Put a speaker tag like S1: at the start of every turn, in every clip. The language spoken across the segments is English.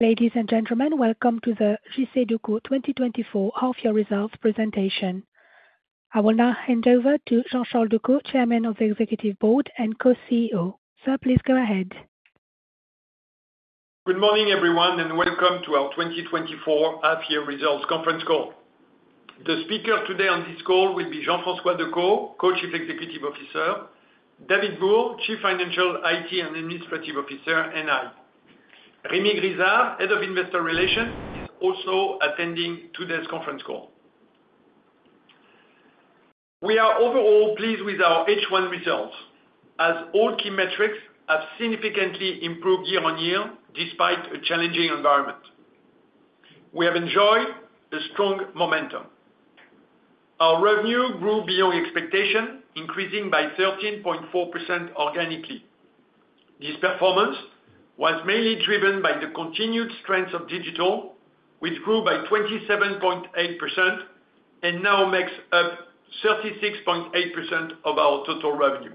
S1: Ladies and gentlemen, welcome to the JCDecaux 2024 half year results presentation. I will now hand over to Jean-Charles Decaux, Chairman of the Executive Board and Co-CEO. Sir, please go ahead.
S2: Good morning, everyone, and welcome to our 2024 half year results conference call. The speaker today on this call will be Jean-François Decaux, Co-Chief Executive Officer, David Bourg, Chief Financial, IT, and Administrative Officer, and I. Rémi Grisard, Head of Investor Relations, is also attending today's conference call. We are overall pleased with our H1 results, as all key metrics have significantly improved year-on-year, despite a challenging environment. We have enjoyed a strong momentum. Our revenue grew beyond expectation, increasing by 13.4% organically. This performance was mainly driven by the continued strength of digital, which grew by 27.8% and now makes up 36.8% of our total revenue.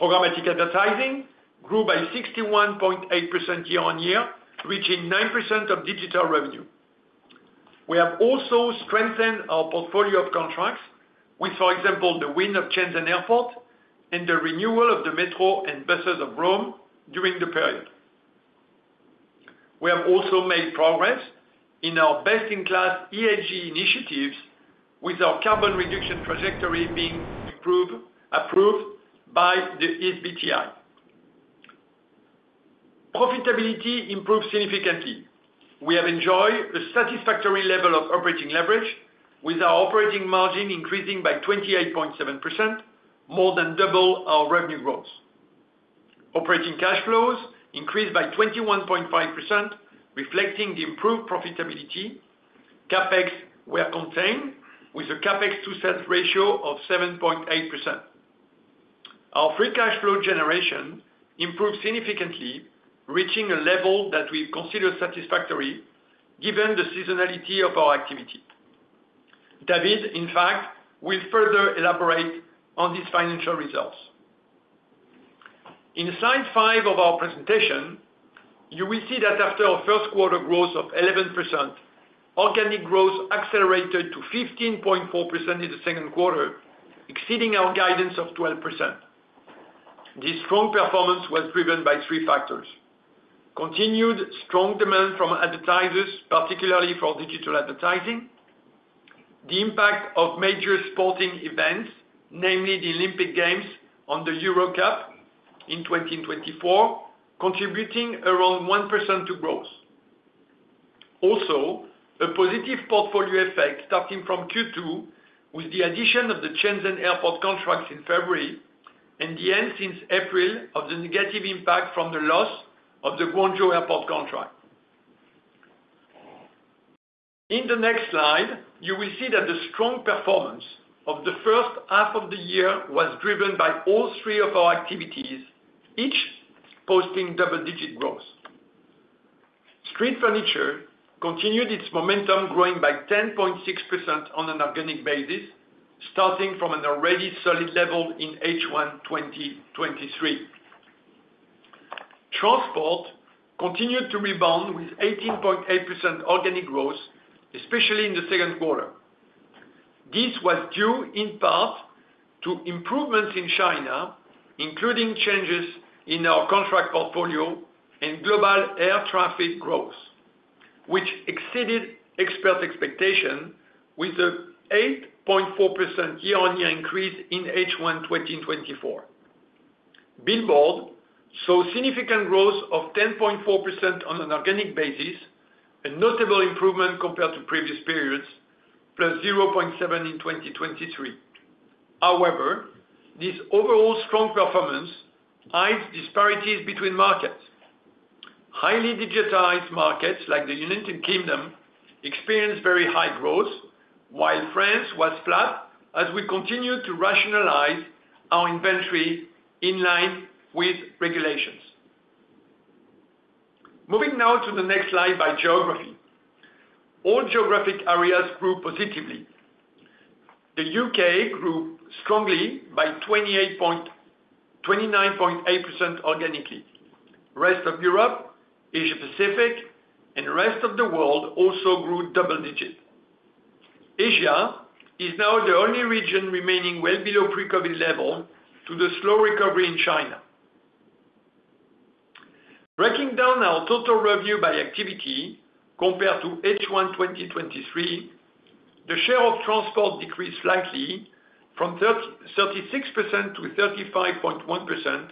S2: Programmatic advertising grew by 61.8% year-on-year, reaching 9% of digital revenue. We have also strengthened our portfolio of contracts with, for example, the win of Shenzhen Airport and the renewal of the metro and buses of Rome during the period. We have also made progress in our best-in-class ESG initiatives, with our carbon reduction trajectory being approved by the SBTi. Profitability improved significantly. We have enjoyed a satisfactory level of operating leverage, with our operating margin increasing by 28.7%, more than double our revenue growth. Operating cash flows increased by 21.5%, reflecting the improved profitability. CapEx were contained with a CapEx to sales ratio of 7.8%. Our free cash flow generation improved significantly, reaching a level that we consider satisfactory given the seasonality of our activity. David, in fact, will further elaborate on these financial results. In slide five of our presentation, you will see that after our first quarter growth of 11%, organic growth accelerated to 15.4% in the second quarter, exceeding our guidance of 12%. This strong performance was driven by three factors: continued strong demand from advertisers, particularly for digital advertising, the impact of major sporting events, namely the Olympic Games and the Euro Cup in 2024, contributing around 1% to growth. Also, a positive portfolio effect starting from Q2, with the addition of the Shenzhen Airport contracts in February and the end, since April, of the negative impact from the loss of the Guangzhou Airport contract. In the next slide, you will see that the strong performance of the first half of the year was driven by all three of our activities, each posting double-digit growth. Street furniture continued its momentum, growing by 10.6% on an organic basis, starting from an already solid level in H1 2023. Transport continued to rebound with 18.8% organic growth, especially in the second quarter. This was due in part to improvements in China, including changes in our contract portfolio and global air traffic growth, which exceeded expert expectation with an 8.4% year-on-year increase in H1 2024. Billboard saw significant growth of 10.4% on an organic basis, a notable improvement compared to previous periods, +0.7% in 2023. However, this overall strong performance hides disparities between markets. Highly digitized markets, like the United Kingdom, experienced very high growth, while France was flat as we continued to rationalize our inventory in line with regulations. Moving now to the next slide by geography. All geographic areas grew positively. The U.K. grew strongly by 29.8% organically. Rest of Europe, Asia Pacific, and rest of the world also grew double-digit. Asia is now the only region remaining well below pre-COVID level due to slow recovery in China. Breaking down our total revenue by activity compared to H1 2023, the share of Transport decreased slightly from 36% to 35.1%,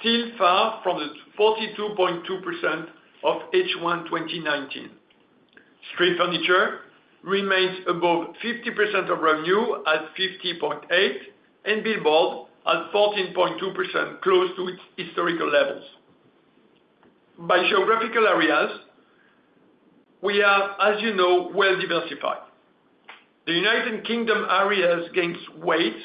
S2: still far from the 42.2% of H1 2019. Street furniture remains above 50% of revenue at 50.8%, and billboard at 14.2%, close to its historical levels. By geographical areas, we are, as you know, well diversified. The United Kingdom areas gains weight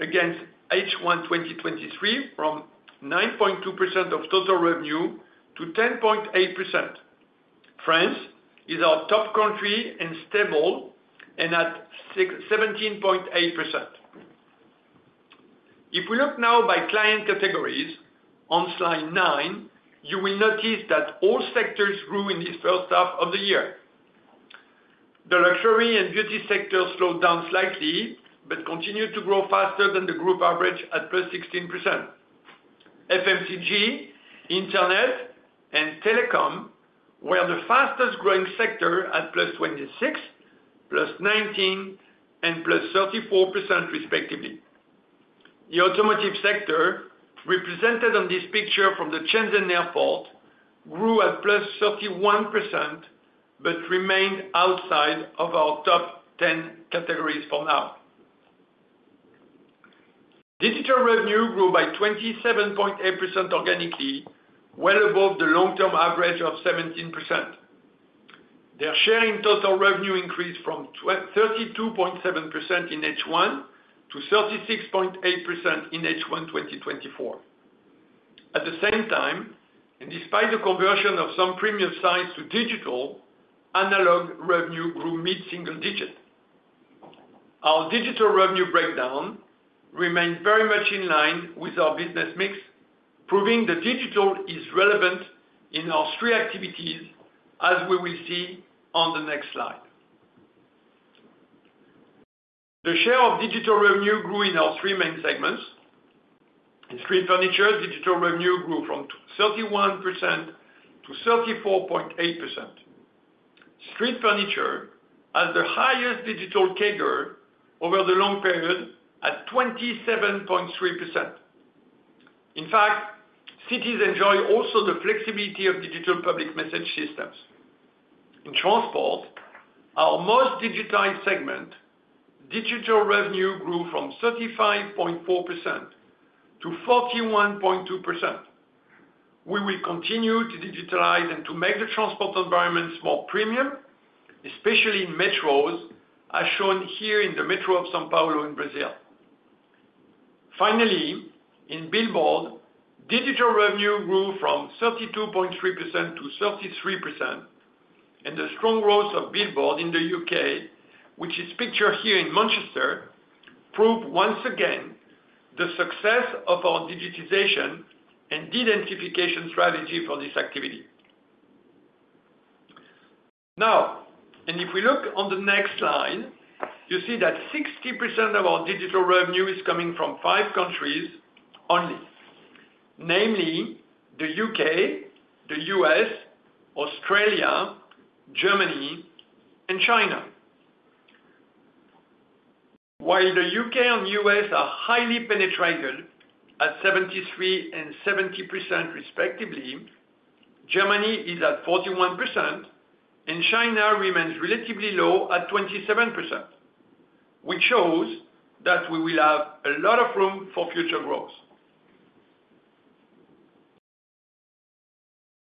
S2: against H1 2023 from 9.2% of total revenue to 10.8%. France is our top country and stable and at 17.8%. If we look now by client categories, on slide nine, you will notice that all sectors grew in this first half of the year. The luxury and beauty sector slowed down slightly, but continued to grow faster than the group average at +16%. FMCG, internet, and telecom were the fastest growing sector at +26%, +19%, and +34%, respectively. The automotive sector, represented on this picture from the Shenzhen Airport, grew at +31%, but remained outside of our top ten categories for now. Digital revenue grew by 27.8% organically, well above the long-term average of 17%. Their share in total revenue increased from 32.7% in H1 to 36.8% in H1 2024. At the same time, and despite the conversion of some premium sites to digital, analog revenue grew mid-single digit. Our digital revenue breakdown remains very much in line with our business mix, proving that digital is relevant in our three activities, as we will see on the next slide. The share of digital revenue grew in our three main segments. In street furniture, digital revenue grew from 31% to 34.8%. Street furniture has the highest digital CAGR over the long period at 27.3%. In fact, cities enjoy also the flexibility of digital public message systems. In Transport, our most digitized segment, digital revenue grew from 35.4% to 41.2%. We will continue to digitalize and to make the transport environments more premium, especially in metros, as shown here in the metro of São Paulo in Brazil. Finally, in billboard, digital revenue grew from 32.3% to 33%, and the strong growth of billboard in the U.K., which is pictured here in Manchester, prove once again, the success of our digitization and identification strategy for this activity. Now, and if we look on the next slide, you see that 60% of our digital revenue is coming from five countries only. Namely, the U.K., the U.S., Australia, Germany, and China. While the U.K. and U.S. are highly penetrated at 73% and 70% respectively, Germany is at 41%, and China remains relatively low at 27%, which shows that we will have a lot of room for future growth.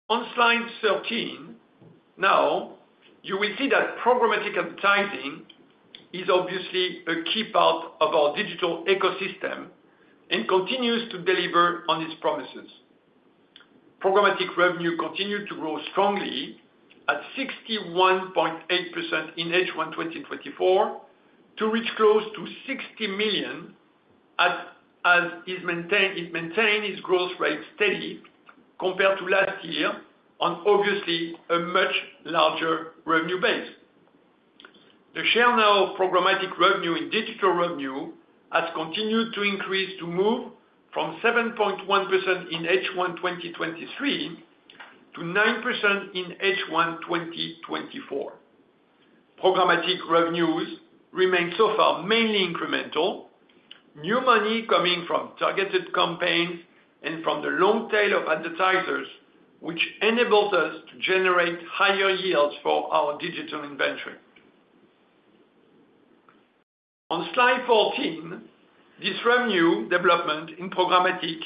S2: On slide 13, now, you will see that programmatic advertising is obviously a key part of our digital ecosystem and continues to deliver on its promises. Programmatic revenue continued to grow strongly at 61.8% in H1 2024, to reach close to 60 million, as it maintained its growth rate steady compared to last year on obviously a much larger revenue base. The share now of programmatic revenue in digital revenue has continued to increase to move from 7.1% in H1 2023, to 9% in H1 2024. Programmatic revenues remain so far, mainly incremental, new money coming from targeted campaigns and from the long tail of advertisers, which enables us to generate higher yields for our digital inventory. On slide 14, this revenue development in programmatic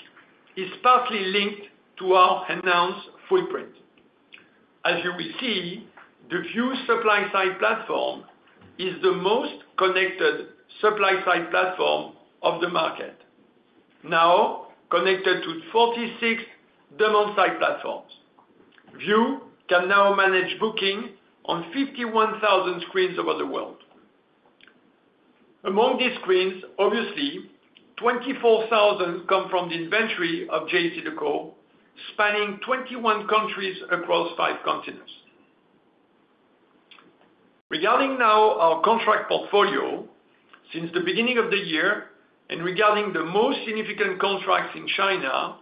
S2: is partly linked to our enhanced footprint. As you will see, the VIOOH Supply Side Platform is the most connected supply side platform of the market. Now, connected to 46 demand side platforms. VIOOH can now manage booking on 51,000 screens over the world. Among these screens, obviously, 24,000 come from the inventory of JCDecaux, spanning 21 countries across five continents. Regarding now our contract portfolio, since the beginning of the year, and regarding the most significant contracts in China,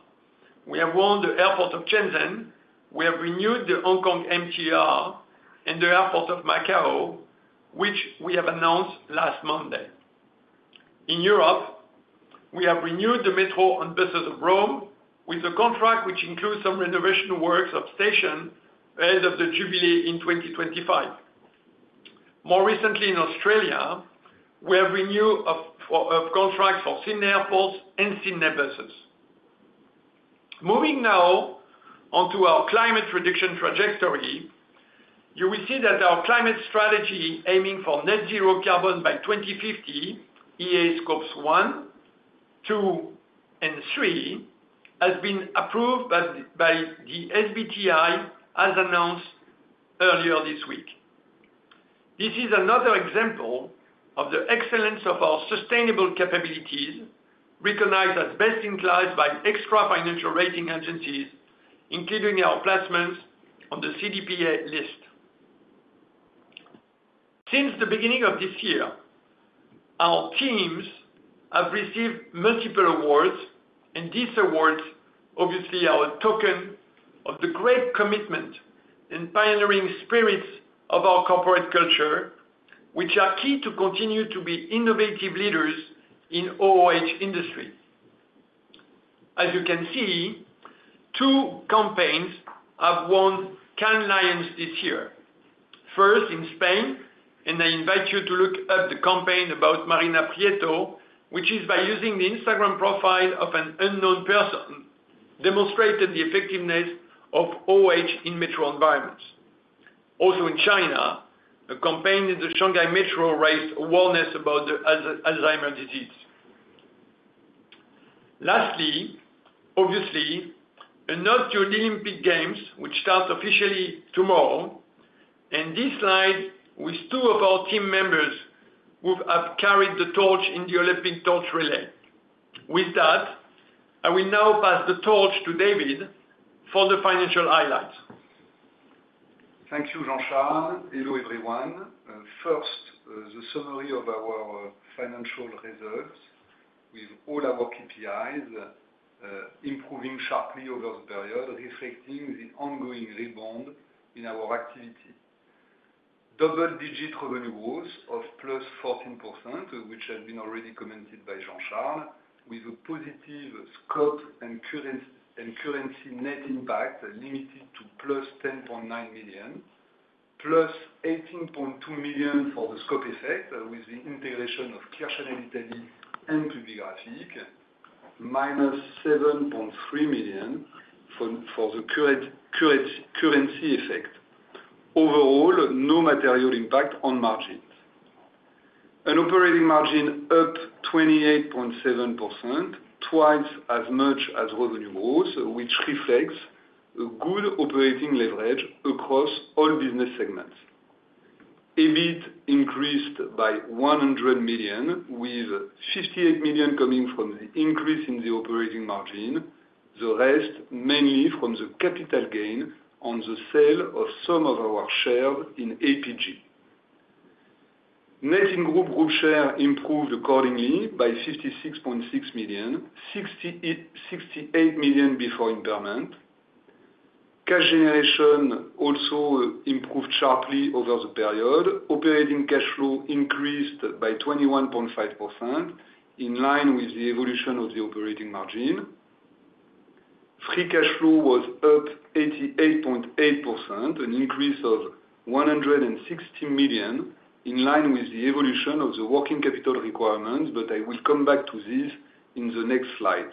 S2: we have won the airport of Shenzhen, we have renewed the Hong Kong MTR, and the airport of Macau, which we have announced last Monday. In Europe, we have renewed the metro and buses of Rome with a contract which includes some renovation works of station ahead of the Jubilee in 2025. More recently in Australia, we have renewed a contract for Sydney Airports and Sydney Buses. Moving now onto our climate reduction trajectory, you will see that our climate strategy, aiming for net zero carbon by 2050, across scopes 1, 2, and 3, has been approved by the SBTi, as announced earlier this week. This is another example of the excellence of our sustainable capabilities, recognized as best in class by extra-financial rating agencies, including our placements on the CDP A List. Since the beginning of this year, our teams have received multiple awards, and these awards, obviously, are a token of the great commitment and pioneering spirits of our corporate culture, which are key to continue to be innovative leaders in OOH industry. As you can see, two campaigns have won Cannes Lions this year. First, in Spain, and I invite you to look up the campaign about Marina Prieto, which is by using the Instagram profile of an unknown person, demonstrating the effectiveness of OOH in metro environments. Also in China, a campaign in the Shanghai Metro raised awareness about the Alzheimer's disease. Lastly, obviously, a note to Olympic Games, which starts officially tomorrow, and this slide with two of our team members who have carried the torch in the Olympic torch relay. With that, I will now pass the torch to David for the financial highlights.
S3: Thank you, Jean-Charles. Hello, everyone. First, the summary of our financial results with all our KPIs, improving sharply over the period, reflecting the ongoing rebound in our activity. Double-digit revenue growth of +14%, which has been already commented by Jean-Charles, with a positive scope and currency net impact limited to +10.9 million, +18.2 million for the scope effect, with the integration of Clear Channel Italy and Publicis Groupe, -7.3 million for the currency effect. Overall, no material impact on margins. An operating margin up 28.7%, twice as much as revenue growth, which reflects a good operating leverage across all business segments. EBIT increased by 100 million, with 58 million coming from the increase in the operating margin, the rest, mainly from the capital gain on the sale of some of our shares in APG. Net income, group share improved accordingly by 66.6 million, 68 million before impairment. Cash generation also improved sharply over the period. Operating cash flow increased by 21.5%, in line with the evolution of the operating margin. Free cash flow was up 88.8%, an increase of 160 million, in line with the evolution of the working capital requirements, but I will come back to this in the next slide.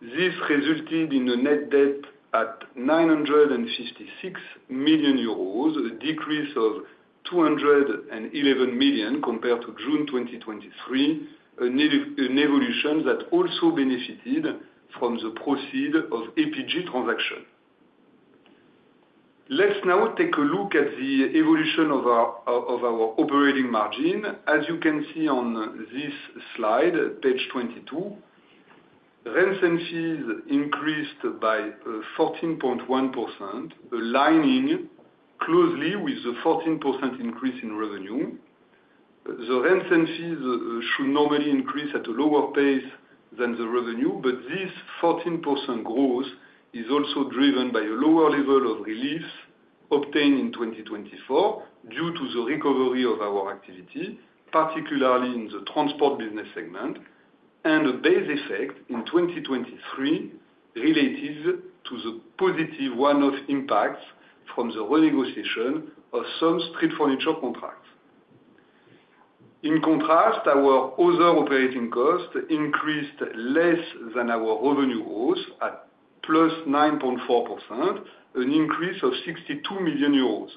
S3: This resulted in a net debt at 966 million euros, a decrease of 211 million compared to June 2023, an evolution that also benefited from the proceeds of the APG transaction. Let's now take a look at the evolution of our operating margin. As you can see on this slide, page 22, rent and fees increased by 14.1%, aligning closely with the 14% increase in revenue. The rent and fees should normally increase at a lower pace than the revenue, but this 14% growth is also driven by a lower level of relief obtained in 2024 due to the recovery of our activity, particularly in the Transport business segment, and a base effect in 2023 related to the positive one-off impacts from the renegotiation of some street furniture contracts. In contrast, our other operating costs increased less than our revenue growth at +9.4%, an increase of 62 million euros.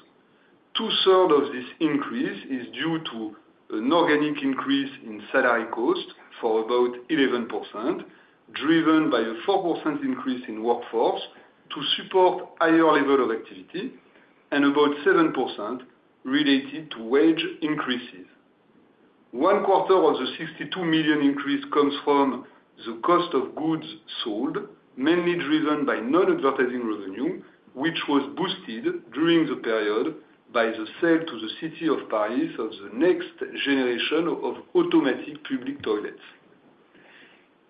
S3: 2/3 of this increase is due to an organic increase in salary costs of about 11%, driven by a 4% increase in workforce to support higher level of activity, and about 7% related to wage increases. 1/4 of the 62 million increase comes from the cost of goods sold, mainly driven by non-advertising revenue, which was boosted during the period by the sale to the City of Paris of the next generation of automatic public toilets.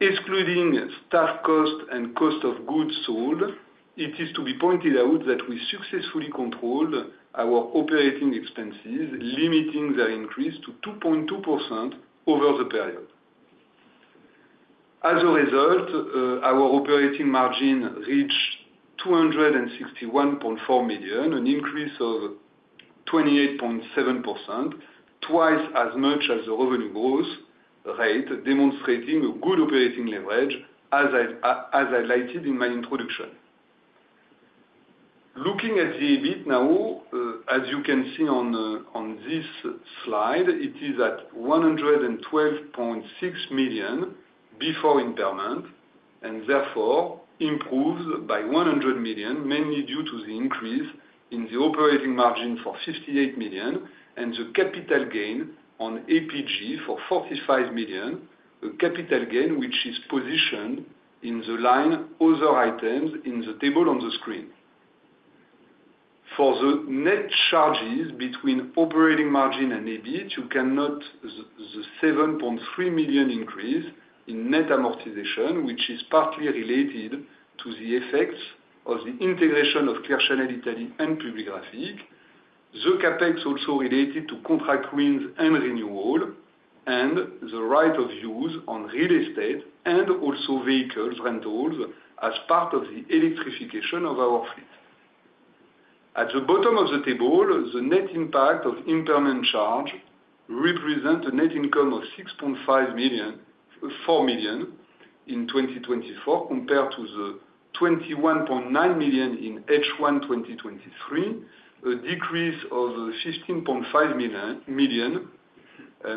S3: Excluding staff costs and cost of goods sold, it is to be pointed out that we successfully controlled our operating expenses, limiting their increase to 2.2% over the period. As a result, our operating margin reached 261.4 million, an increase of 28.7%, twice as much as the revenue growth rate, demonstrating a good operating leverage, as I highlighted in my introduction. Looking at the EBIT now, as you can see on this slide, it is at 112.6 million before impairment, and therefore, improved by 100 million, mainly due to the increase in the operating margin for 58 million, and the capital gain on APG for 45 million. A capital gain, which is positioned in the line, other items in the table on the screen. For the net charges between operating margin and EBIT, you can note the seven point three million increase in net amortization, which is partly related to the effects of the integration of Clear Channel Italy and Publicis Groupe. The CapEx also related to contract wins and renewal, and the right of use on real estate, and also vehicles rentals as part of the electrification of our fleet. At the bottom of the table, the net impact of impairment charge represent a net income of 6.4 million in 2024, compared to the 21.9 million in H1 2023. A decrease of 16.5 million,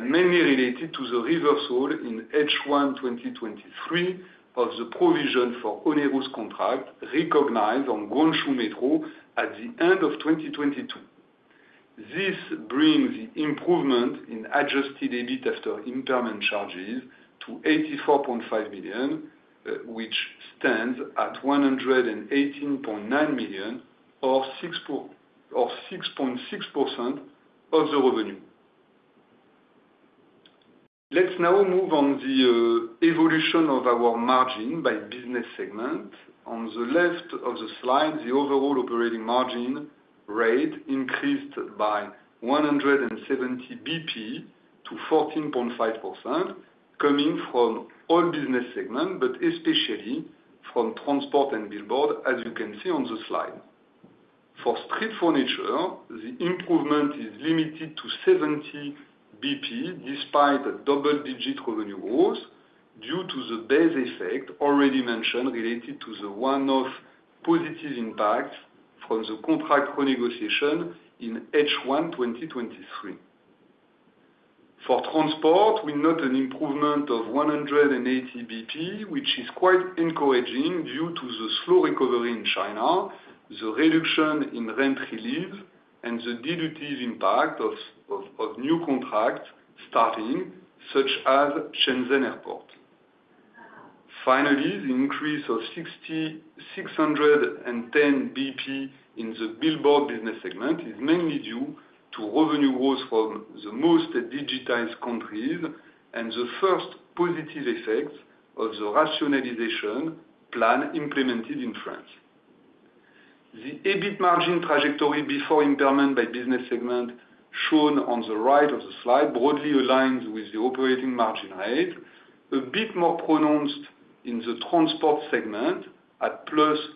S3: mainly related to the reversal in H1 2023 of the provision for onerous contract, recognized on Guangzhou Metro at the end of 2022. This brings the improvement in adjusted EBIT after impairment charges to 84.5 million, which stands at 118.9 million, or 6.6% of the revenue. Let's now move on the evolution of our margin by business segment. On the left of the slide, the overall operating margin rate increased by 170 bp to 14.5%, coming from all business segment, but especially from Transport and billboard, as you can see on the slide. For street furniture, the improvement is limited to 70 bp, despite a double-digit revenue growth, due to the base effect already mentioned, related to the one-off positive impact from the contract renegotiation in H1 2023. For Transport, we note an improvement of 180 bp, which is quite encouraging due to the slow recovery in China, the reduction in rent relief, and the dilutive impact of new contracts starting, such as Shenzhen Airport. Finally, the increase of 610 bp in the billboard business segment is mainly due to revenue growth from the most digitized countries, and the first positive effects of the rationalization plan implemented in France. The EBIT margin trajectory before impairment by business segment, shown on the right of the slide, broadly aligns with the operating margin rate. A bit more pronounced in the Transport segment at +410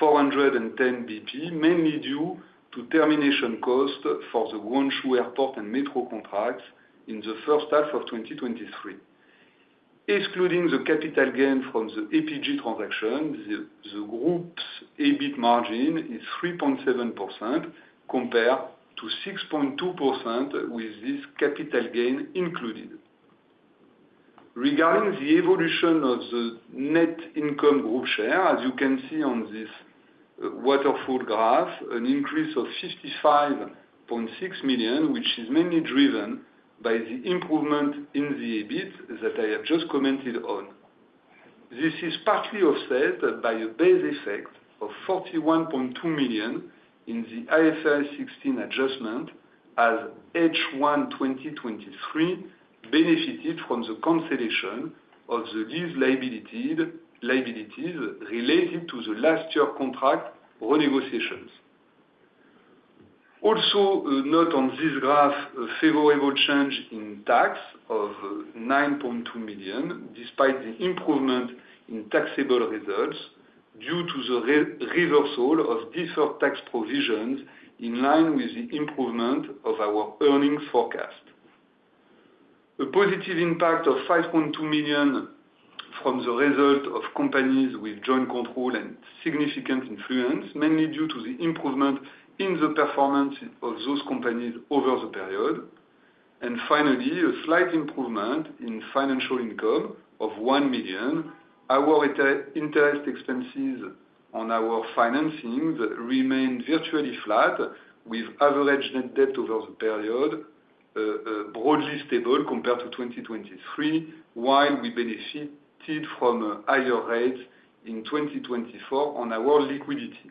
S3: bp, mainly due to termination costs for the Guangzhou Airport and Metro contracts in the first half of 2023. Excluding the capital gain from the APG transaction, the group's EBIT margin is 3.7%, compared to 6.2%, with this capital gain included. Regarding the evolution of the net income group share, as you can see on this waterfall graph, an increase of 55.6 million, which is mainly driven by the improvement in the EBIT that I have just commented on. This is partly offset by a base effect of 41.2 million in the IFRS 16 adjustment, as H1 2023 benefited from the consolidation of the lease liabilities related to the last year contract renegotiations. Also, note on this graph, a favorable change in tax of 9.2 million, despite the improvement in taxable results, due to the reversal of deferred tax provisions, in line with the improvement of our earnings forecast. A positive impact of 5.2 million from the result of companies with joint control and significant influence, mainly due to the improvement in the performance of those companies over the period. And finally, a slight improvement in financial income of 1 million. Our interest expenses on our financing remained virtually flat, with average net debt over the period broadly stable compared to 2023, while we benefited from higher rates in 2024 on our liquidity.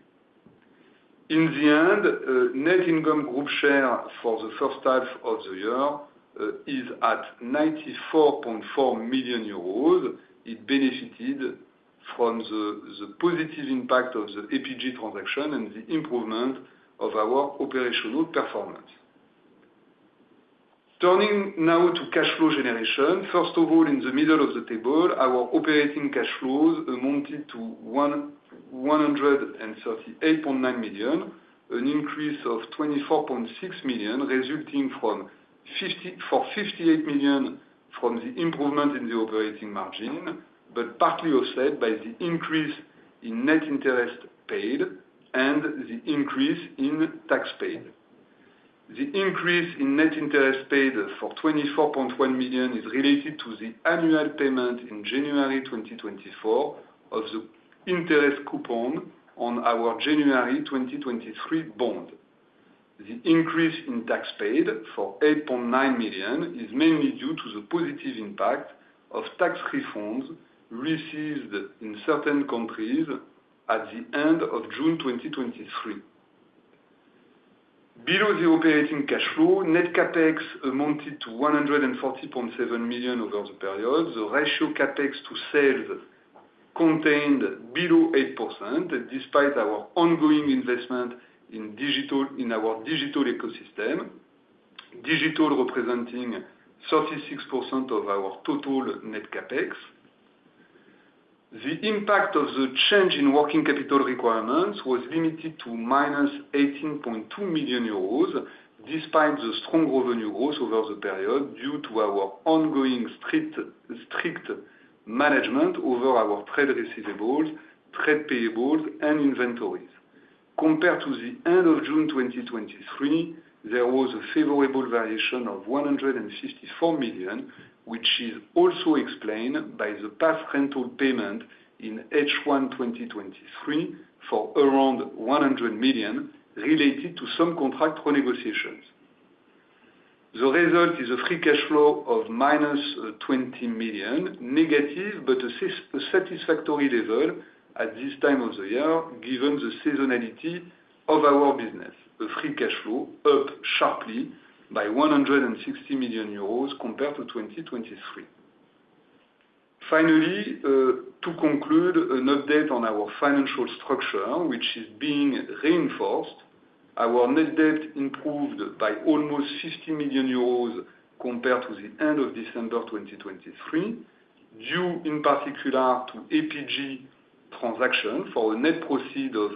S3: In the end, net income group share for the first half of the year is at 94.4 million euros. It benefited from the positive impact of the APG transaction and the improvement of our operational performance. Turning now to cash flow generation. First of all, in the middle of the table, our operating cash flows amounted to 138.9 million. An increase of 24.6 million, resulting from 58 million from the improvement in the operating margin, but partly offset by the increase in net interest paid and the increase in tax paid. The increase in net interest paid for 24.1 million is related to the annual payment in January 2024 of the interest coupon on our January 2023 bond. The increase in tax paid for 8.9 million is mainly due to the positive impact of tax refunds received in certain countries at the end of June 2023. Below the operating cash flow, net CapEx amounted to 140.7 million over the period. The ratio CapEx to sales contained below 8%, despite our ongoing investment in digital, in our digital ecosystem, digital representing 36% of our total net CapEx. The impact of the change in working capital requirements was limited to -18.2 million euros, despite the strong revenue growth over the period, due to our ongoing strict, strict management over our trade receivables, trade payables, and inventories. Compared to the end of June 2023, there was a favorable variation of 164 million, which is also explained by the past rental payment in H1 2023 for around 100 million, related to some contract renegotiations. The result is a free cash flow of -20 million, negative, but a satisfactory level at this time of the year, given the seasonality of our business. The free cash flow up sharply by 160 million euros compared to 2023. Finally, to conclude, an update on our financial structure, which is being reinforced. Our net debt improved by almost 60 million euros compared to the end of December 2023, due in particular to APG transaction for a net proceed of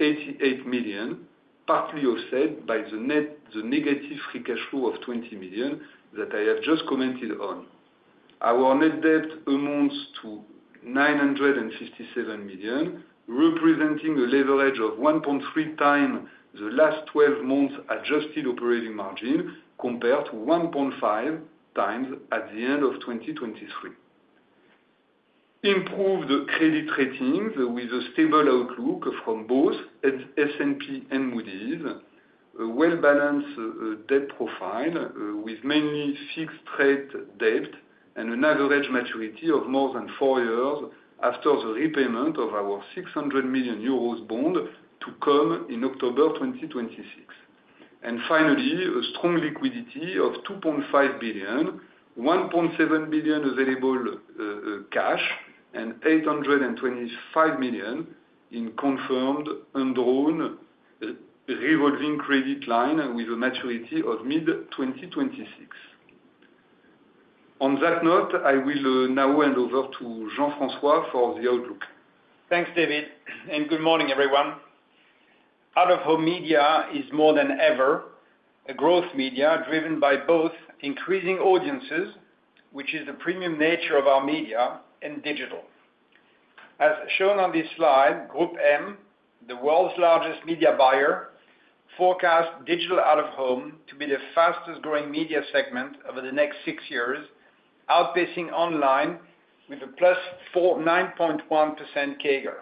S3: 88 million, partly offset by the net, the negative free cash flow of 20 million that I have just commented on. Our net debt amounts to 967 million, representing a leverage of 1.3x the last twelve months adjusted operating margin, compared to 1.5x at the end of 2023. Improved credit ratings with a stable outlook from both S&P and Moody's. A well-balanced debt profile with mainly fixed rate debt and an average maturity of more than four years after the repayment of our 600 million euros bond to come in October 2026. And finally, a strong liquidity of 2.5 billion, 1.7 billion available cash, and 825 million in confirmed and drawn revolving credit line with a maturity of mid-2026. On that note, I will now hand over to Jean-François for the outlook.
S4: Thanks, David, and good morning, everyone. Out-of-home media is more than ever a growth media, driven by both increasing audiences, which is the premium nature of our media and digital. As shown on this slide, GroupM, the world's largest media buyer, forecast digital out-of-home to be the fastest growing media segment over the next six years, outpacing online with a +9.1% CAGR.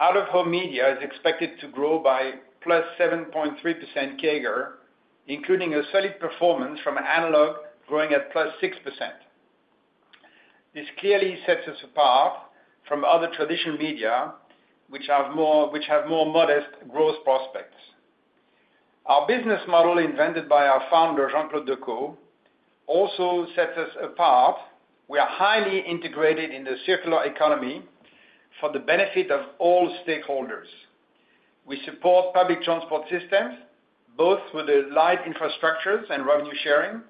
S4: Out-of-home media is expected to grow by +7.3% CAGR, including a solid performance from analog, growing at +6%. This clearly sets us apart from other traditional media, which have more modest growth prospects. Our business model, invented by our founder, Jean-Claude Decaux, also sets us apart. We are highly integrated in the circular economy for the benefit of all stakeholders. We support public transport systems, both with the light infrastructures and revenue sharing.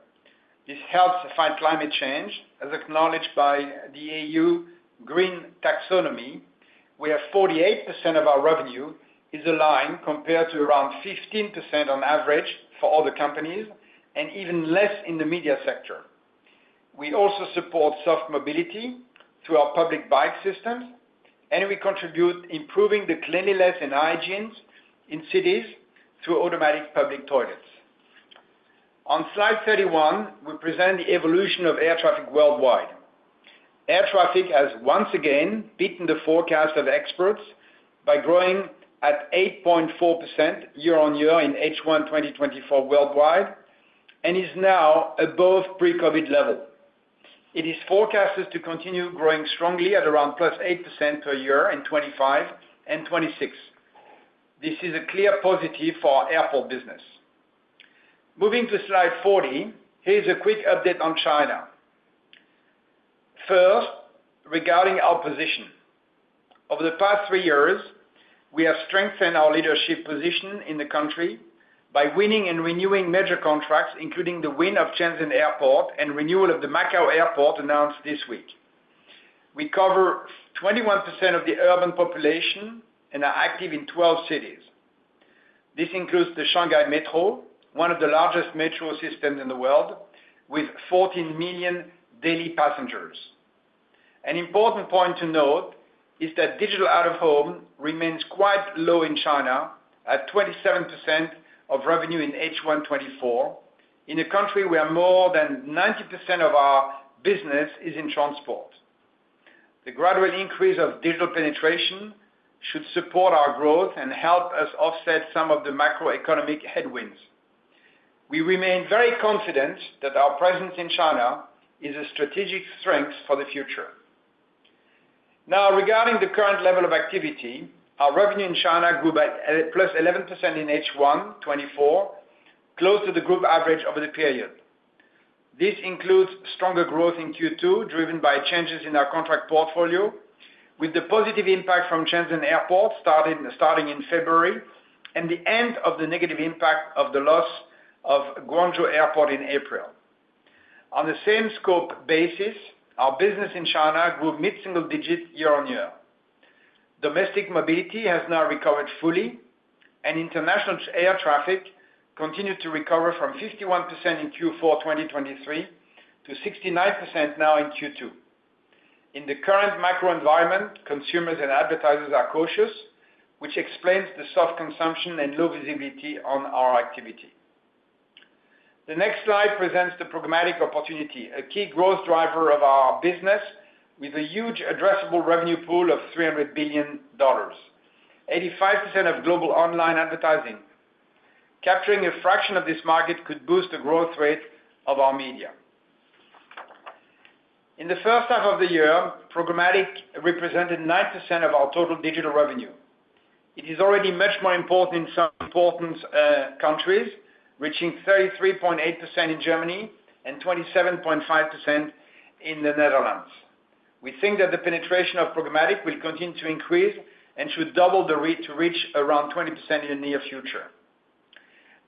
S4: This helps fight climate change, as acknowledged by the EU Green Taxonomy, where 48% of our revenue is aligned, compared to around 15% on average for other companies, and even less in the media sector. We also support soft mobility through our public bike systems, and we contribute improving the cleanliness and hygiene in cities through automatic public toilets. On slide 31, we present the evolution of air traffic worldwide. Air traffic has once again beaten the forecast of experts by growing at 8.4% year-on-year in H1 2024 worldwide, and is now above pre-COVID level. It is forecasted to continue growing strongly at around +8% per year in 2025 and 2026. This is a clear positive for our airport business. Moving to slide 40, here's a quick update on China. First, regarding our position. Over the past three years, we have strengthened our leadership position in the country by winning and renewing major contracts, including the win of Shenzhen Airport and renewal of the Macau Airport, announced this week. We cover 21% of the urban population and are active in 12 cities. This includes the Shanghai Metro, one of the largest metro systems in the world, with 14 million daily passengers. An important point to note is that digital out-of-home remains quite low in China, at 27% of revenue in H1 2024, in a country where more than 90% of our business is in Transport. The gradual increase of digital penetration should support our growth and help us offset some of the macroeconomic headwinds. We remain very confident that our presence in China is a strategic strength for the future. Now, regarding the current level of activity, our revenue in China grew by +11% in H1 2024, close to the group average over the period. This includes stronger growth in Q2, driven by changes in our contract portfolio, with the positive impact from Shenzhen Airport starting in February, and the end of the negative impact of the loss of Guangzhou Airport in April. On the same scope basis, our business in China grew mid-single digit year-on-year. Domestic mobility has now recovered fully, and international air traffic continued to recover from 51% in Q4 2023 to 69% now in Q2. In the current macro environment, consumers and advertisers are cautious, which explains the soft consumption and low visibility on our activity. The next slide presents the programmatic opportunity, a key growth driver of our business, with a huge addressable revenue pool of $300 billion, 85% of global online advertising. Capturing a fraction of this market could boost the growth rate of our media. In the first half of the year, programmatic represented 9% of our total digital revenue. It is already much more important in some important countries, reaching 33.8% in Germany and 27.5% in the Netherlands. We think that the penetration of programmatic will continue to increase and should double the reach to reach around 20% in the near future.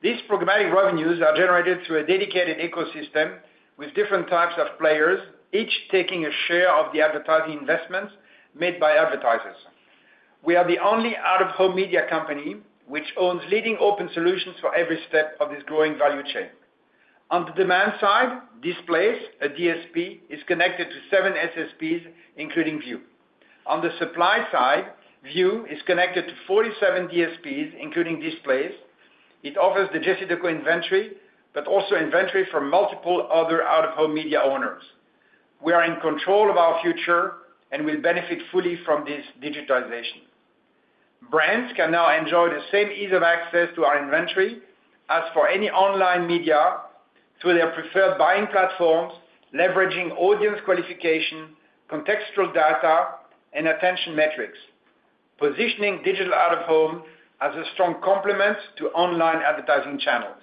S4: These programmatic revenues are generated through a dedicated ecosystem with different types of players, each taking a share of the advertising investments made by advertisers. We are the only out-of-home media company which owns leading open solutions for every step of this growing value chain. On the demand side, Displayce, a DSP, is connected to 7 SSPs, including VIOOH. On the supply side, VIOOH is connected to 47 DSPs, including Displayce. It offers the JCDecaux inventory, but also inventory from multiple other out-of-home media owners. We are in control of our future and will benefit fully from this digitization. Brands can now enjoy the same ease of access to our inventory as for any online media, through their preferred buying platforms, leveraging audience qualification, contextual data, and attention metrics, positioning digital out-of-home as a strong complement to online advertising channels.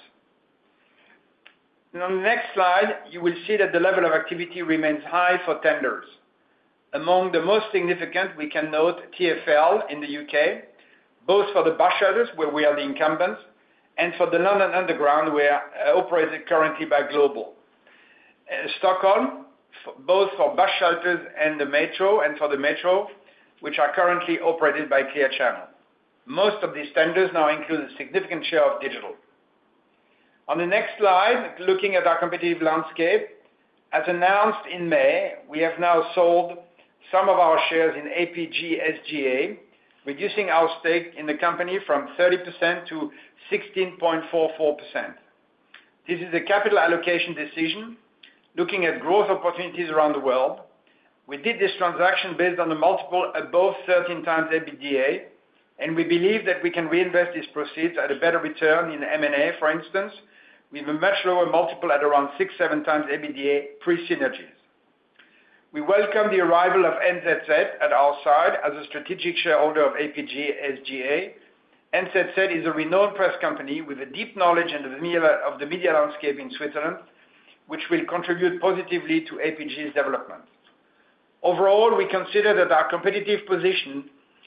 S4: Now, next slide, you will see that the level of activity remains high for tenders. Among the most significant, we can note TfL in the U.K., both for the bus shelters, where we are the incumbents, and for the London Underground, where operated currently by Global. Stockholm, both for bus shelters and the Metro, and for the Metro, which are currently operated by Clear Channel. Most of these tenders now include a significant share of digital. On the next slide, looking at our competitive landscape. As announced in May, we have now sold some of our shares in APG|SGA, reducing our stake in the company from 30% to 16.44%. This is a capital allocation decision, looking at growth opportunities around the world. We did this transaction based on the multiple, above 13x EBITDA, and we believe that we can reinvest these proceeds at a better return in M&A, for instance, with a much lower multiple at around 6x-7x EBITDA pre synergies. We welcome the arrival of NZZ at our side as a strategic shareholder of APG|SGA. NZZ is a renowned press company with a deep knowledge in the media, of the media landscape in Switzerland, which will contribute positively to APG's development. Overall, we consider that our competitive position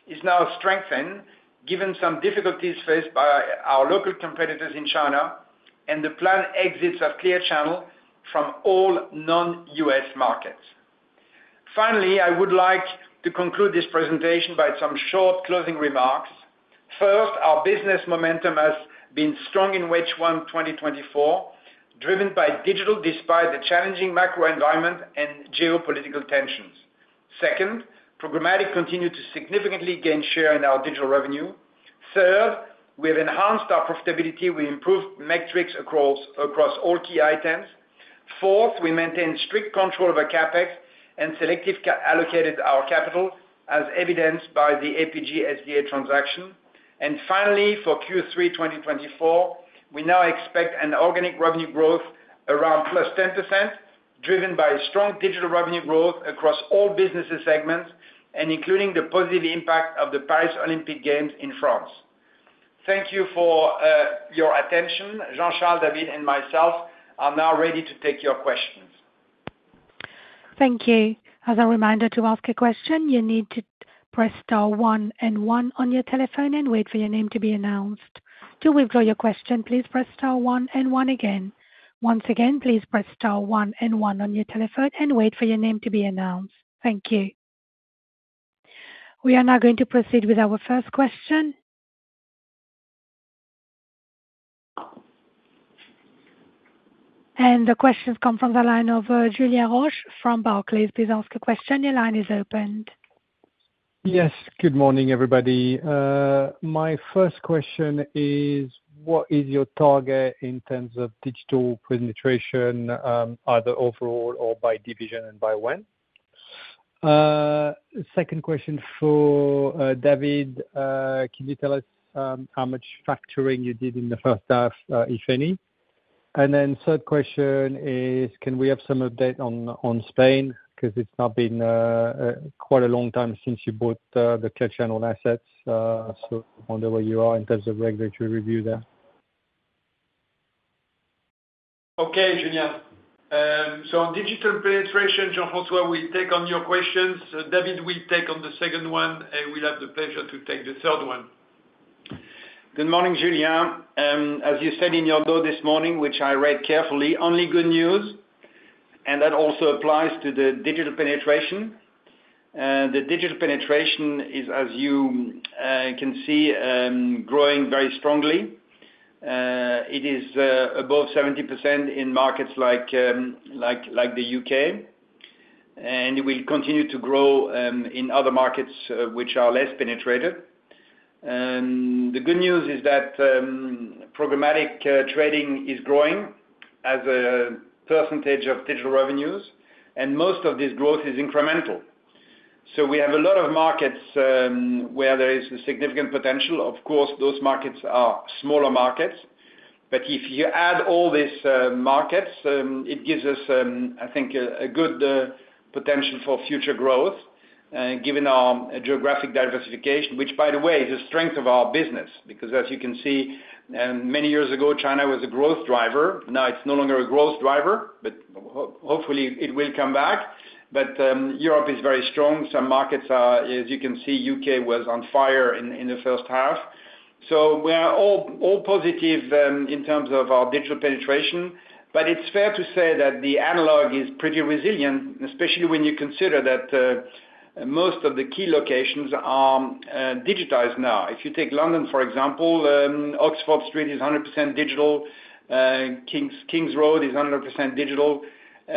S4: is now strengthened, given some difficulties faced by our local competitors in China and the planned exits of Clear Channel from all non-US markets. Finally, I would like to conclude this presentation by some short closing remarks. First, our business momentum has been strong in H1 2024, driven by digital despite the challenging macro environment and geopolitical tensions. Second, programmatic continued to significantly gain share in our digital revenue. Third, we have enhanced our profitability. We improved metrics across all key items. Fourth, we maintained strict control over CapEx and selectively allocated our capital, as evidenced by the APG|SGA transaction. And finally, for Q3 2024, we now expect an organic revenue growth around +10%, driven by strong digital revenue growth across all business segments and including the positive impact of the Paris Olympic Games in France. Thank you for your attention. Jean-Charles, David, and myself are now ready to take your questions.
S1: Thank you. As a reminder to ask a question, you need to press star one and one on your telephone and wait for your name to be announced. To withdraw your question, please press star one and one again. Once again, please press star one and one on your telephone and wait for your name to be announced. Thank you. We are now going to proceed with our first question. The question comes from the line of Julien Roch from Barclays. Please ask a question. Your line is open.
S5: Yes. Good morning, everybody. My first question is, what is your target in terms of digital penetration, either overall or by division, and by when? Second question for David. Can you tell us, how much factoring you did in the first half, if any? And then third question is, can we have some update on Spain? 'Cause it's now been quite a long time since you bought the Clear Channel assets. So wonder where you are in terms of regulatory review there.
S2: Okay, Julien. On digital penetration, Jean-François will take on your questions, David will take on the second one, and we'll have the pleasure to take the third one.
S4: Good morning, Julian. As you said in your note this morning, which I read carefully, only good news, and that also applies to the digital penetration. The digital penetration is, as you can see, growing very strongly. It is above 70% in markets like, like, like the U.K., and it will continue to grow in other markets which are less penetrated. And the good news is that programmatic trading is growing as a percentage of digital revenues, and most of this growth is incremental. So we have a lot of markets where there is a significant potential. Of course, those markets are smaller markets, but if you add all these markets, it gives us, I think, a, a good potential for future growth, given our geographic diversification. Which by the way, is a strength of our business, because as you can see, many years ago, China was a growth driver. Now, it's no longer a growth driver, but hopefully it will come back. But, Europe is very strong. Some markets are, as you can see, U.K. was on fire in the first half. So we are all positive, in terms of our digital penetration. But it's fair to say that the Analog is pretty resilient, especially when you consider that, most of the key locations are digitized now. If you take London, for example, Oxford Street is 100% digital, King's Road is 100% digital,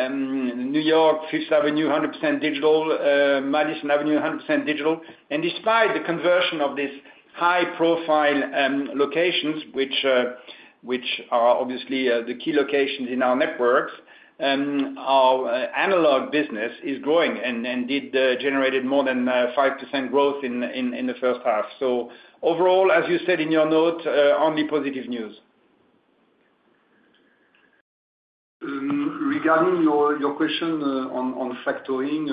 S4: New York, Fifth Avenue, 100% digital, Madison Avenue, 100% digital. Despite the conversion of these high-profile locations, which are obviously the key locations in our networks, our analog business is growing and did generate more than 5% growth in the first half. Overall, as you said in your note, only positive news.
S3: Regarding your question on factoring,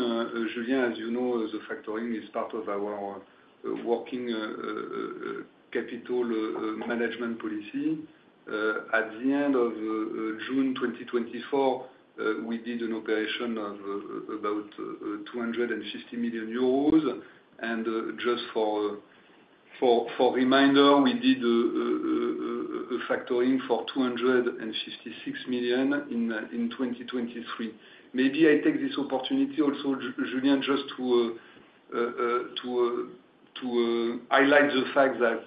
S3: Julien, as you know, the factoring is part of our working capital management policy. At the end of June 2024, we did an operation of about 250 million euros. Just for reminder, we did factoring for 256 million in 2023. Maybe I take this opportunity also, Julien, just to highlight the fact that,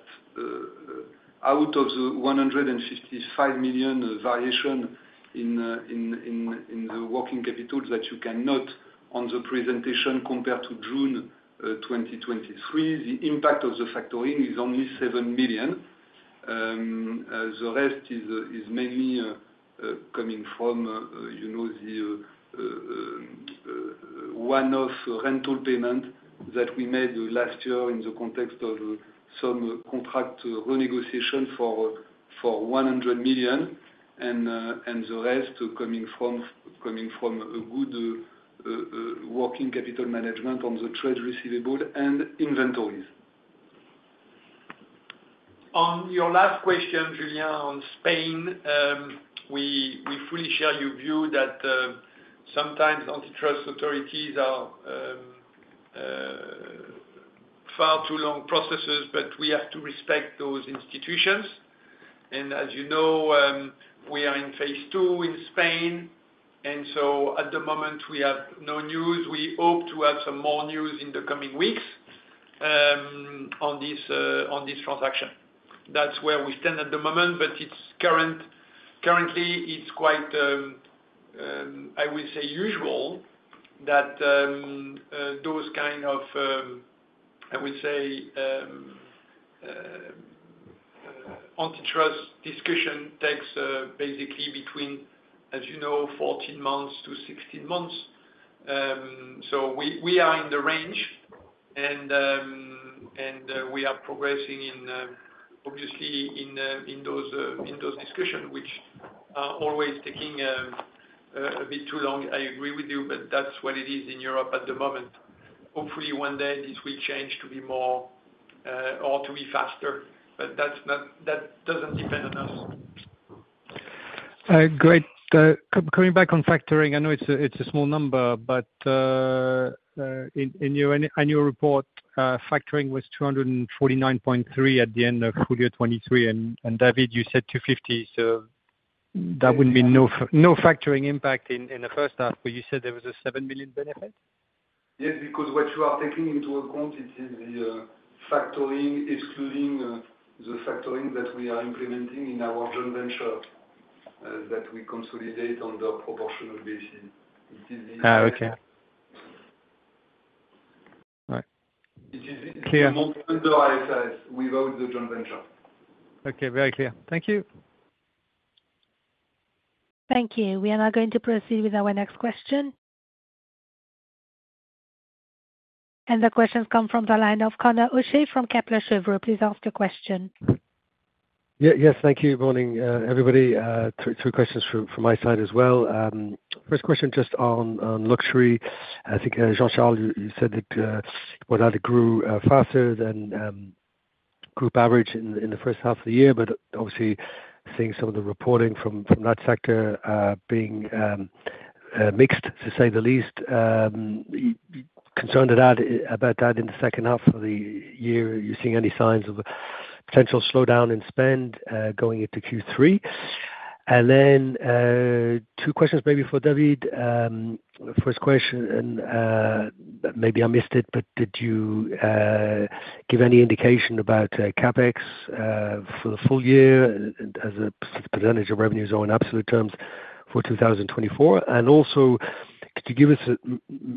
S3: out of the 155 million variation in the working capital, that you can note on the presentation compared to June 2023, the impact of the factoring is only 7 million. The rest is mainly coming from, you know, the one-off rental payment that we made last year in the context of some contract renegotiation for 100 million, and the rest coming from a good working capital management on the trade receivable and inventories.
S2: On your last question, Julien, on Spain, we fully share your view that sometimes antitrust authorities are far too long processes, but we have to respect those institutions. And as you know, we are in phase two in Spain, and so at the moment, we have no news. We hope to have some more news in the coming weeks on this transaction. That's where we stand at the moment, but currently, it's quite, I would say usual that those kind of, I would say, antitrust discussion takes basically between, as you know, 14-16 months. So we are in the range and we are progressing in those discussions, which are always taking a bit too long. I agree with you, but that's what it is in Europe at the moment. Hopefully, one day this will change to be more or to be faster, but that doesn't depend on us.
S5: Great. Coming back on factoring, I know it's a small number, but in your annual report, factoring was 249.3 million at the end of full 2023, and David, you said 250 million, so that would be no factoring impact in the first half, but you said there was a 7 million benefit?
S3: Yes, because what you are taking into account, it is the factoring, excluding the factoring that we are implementing in our joint venture that we consolidate on the proportional basis.
S5: Ah, okay. All right. Clear.
S3: Under IFRS, without the joint venture.
S5: Okay, very clear. Thank you.
S1: Thank you. We are now going to proceed with our next question. The question come from the line of Conor O'Shea from Kepler Cheuvreux. Please ask the question.
S6: Yeah. Yes, thank you. Morning, everybody, two questions from my side as well. First question, just on luxury. I think, Jean-Charles, you said that, well, that it grew faster than group average in the first half of the year, but obviously seeing some of the reporting from that sector, being mixed, to say the least, are you concerned about that in the second half of the year, are you seeing any signs of a potential slowdown in spend going into Q3? And then, two questions maybe for David. First question, and maybe I missed it, but did you give any indication about CapEx for the full year as a percentage of revenues or in absolute terms for 2024? And also, could you give us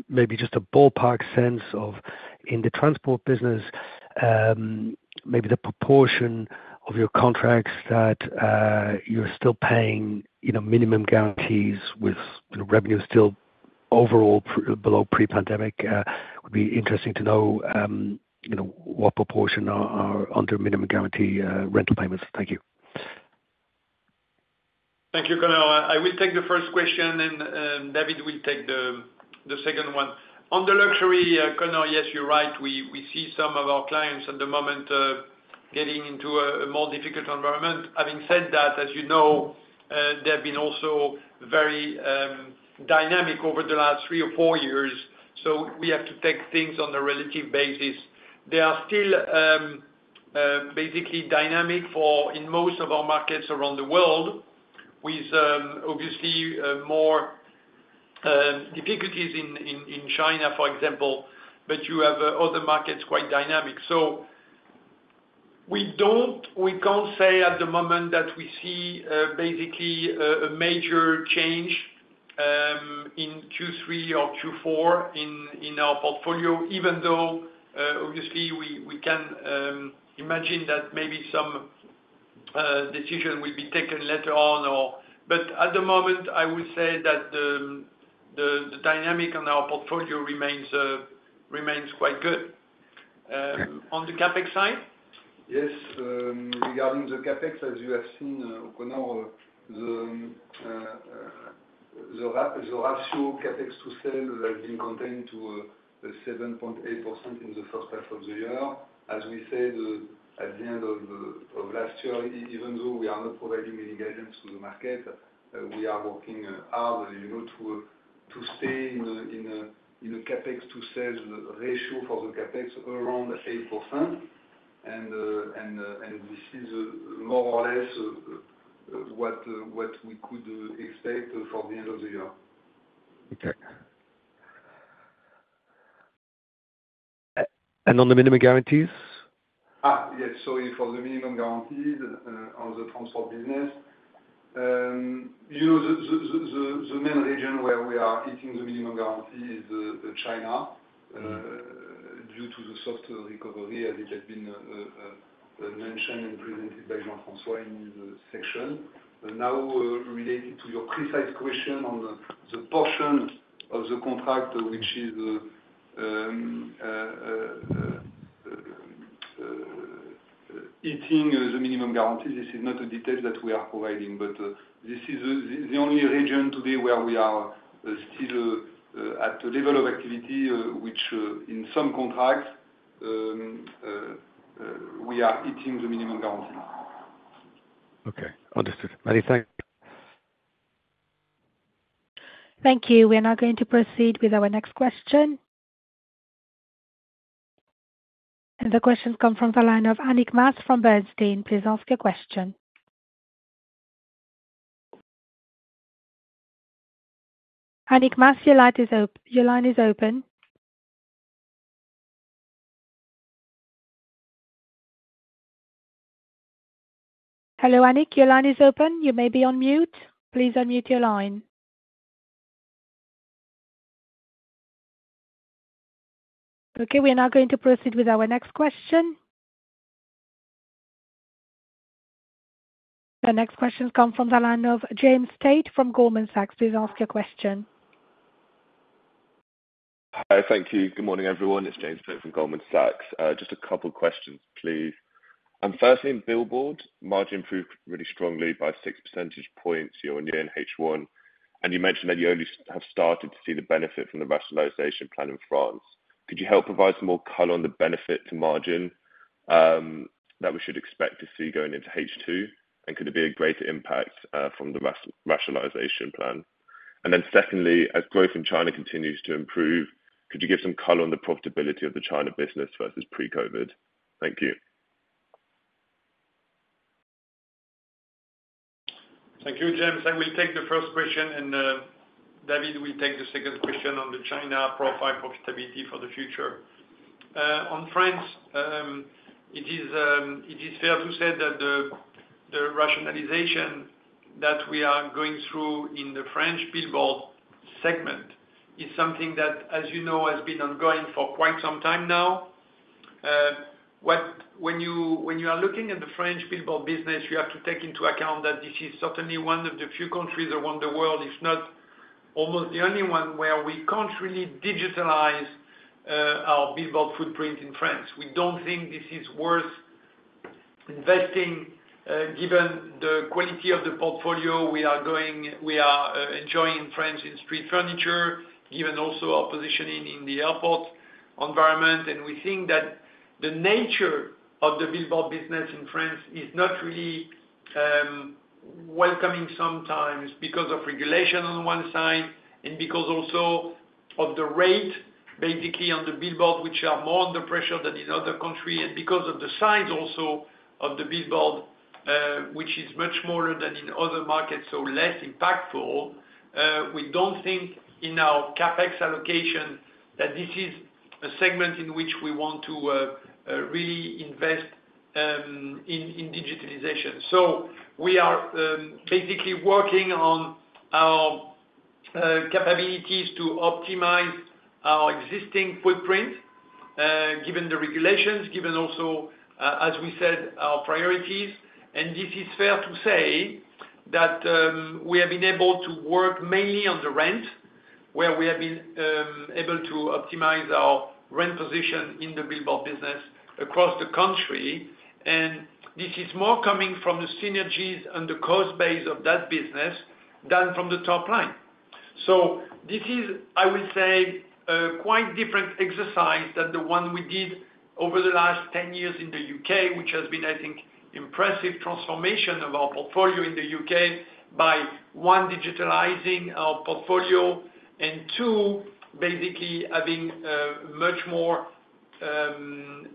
S6: maybe just a ballpark sense of in the Transport business, maybe the proportion of your contracts that you're still paying, you know, minimum guarantees with the revenue still overall below pre-pandemic, would be interesting to know, you know, what proportion are under minimum guarantee rental payments? Thank you.
S2: Thank you, Conor. I will take the first question and David will take the second one. On the luxury, Conor, yes, you're right, we see some of our clients at the moment getting into a more difficult environment. Having said that, as you know, they have been also very dynamic over the last three or four years, so we have to take things on a relative basis. They are still basically dynamic in most of our markets around the world, with obviously more difficulties in China, for example, but you have other markets quite dynamic. So we can't say at the moment that we see basically a major change in Q3 or Q4 in our portfolio, even though obviously we can imagine that maybe some decision will be taken later on or. But at the moment, I would say that the dynamic on our portfolio remains quite good. On the CapEx side?
S3: Yes, regarding the CapEx, as you have seen, Conor, the ratio CapEx to sales has been contained to 7.8% in the first half of the year. As we said, at the end of last year, even though we are not providing any guidance to the market, we are working hard, you know, to stay in a CapEx to sales ratio for the CapEx around 8%. And this is more or less what we could expect for the end of the year.
S6: Okay. And on the minimum guarantees?
S3: Ah, yes, sorry. For the minimum guarantees on the Transport business, you know, the main region where we are hitting the minimum guarantee is China-
S6: Mm-hmm
S3: Due to the softer recovery, as it has been mentioned and presented by Jean-François in his section. Now, related to your precise question on the portion of the contract, which is hitting the minimum guarantee, this is not a detail that we are providing, but this is the only region today where we are still at the level of activity, which in some contracts we are hitting the minimum guarantee.
S6: Okay. Understood. Many thanks.
S1: Thank you. We are now going to proceed with our next question. The question comes from the line of Annick Maas from Bernstein. Please ask your question. Annick Maas, your line is open? Hello, Annick, your line is open. You may be on mute. Please unmute your line. Okay, we are now going to proceed with our next question. The next question comes from the line of James Tate from Goldman Sachs. Please ask your question.
S7: Hi, thank you. Good morning, everyone. It's James Tate from Goldman Sachs. Just a couple questions, please. Firstly, in billboard, margin improved really strongly by 6 percentage points year-on-year in H1, and you mentioned that you only have started to see the benefit from the rationalization plan in France. Could you help provide some more color on the benefit to margin that we should expect to see going into H2? And could there be a greater impact from the rationalization plan? And then secondly, as growth in China continues to improve, could you give some color on the profitability of the China business versus pre-COVID? Thank you.
S2: Thank you, James. I will take the first question, and David will take the second question on the China profile profitability for the future. On France, it is fair to say that the rationalization that we are going through in the French billboard segment is something that, as you know, has been ongoing for quite some time now. When you are looking at the French billboard business, you have to take into account that this is certainly one of the few countries around the world, if not almost the only one, where we can't really digitize our billboard footprint in France. We don't think this is worth investing, given the quality of the portfolio we are going. We are enjoying France in street furniture, given also our positioning in the airport environment. We think that the nature of the billboard business in France is not really welcoming sometimes because of regulation on one side, and because also of the rate, basically, on the billboard, which are more under pressure than in other country, and because of the size also of the billboard, which is much smaller than in other markets, so less impactful. We don't think in our CapEx allocation that this is a segment in which we want to really invest in digitalization. We are basically working on our capabilities to optimize our existing footprint, given the regulations, given also, as we said, our priorities. This is fair to say that we have been able to work mainly on the rent, where we have been able to optimize our rent position in the billboard business across the country. And this is more coming from the synergies and the cost base of that business than from the top line. So this is, I will say, a quite different exercise than the one we did over the last 10 years in the U.K., which has been, I think, impressive transformation of our portfolio in the U.K. by, one, digitalizing our portfolio, and two, basically having much more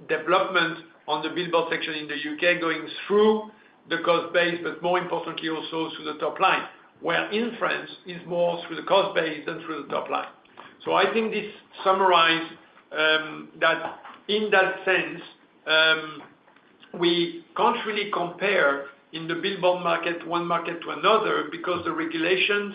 S2: development on the billboard section in the U.K., going through the cost base, but more importantly, also through the top line, where in France, it's more through the cost base than through the top line. I think this summarizes that in that sense we can't really compare in the billboard market one market to another because the regulations,